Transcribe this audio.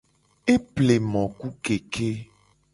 Eple mo ku keke.